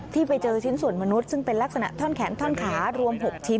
ที่ไปเจอชิ้นส่วนมนุษย์ซึ่งเป็นลักษณะท่อนแขนท่อนขารวม๖ชิ้น